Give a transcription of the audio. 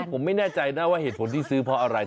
ผมไม่แน่ใจนะว่าเหตุผลที่ซื้อเพราะอะไร